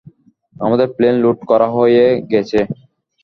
আমাদের plane load করা হয়ে গেছে।